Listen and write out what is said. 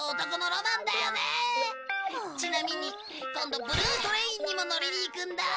ちなみに今度ブルートレインにも乗りに行くんだ。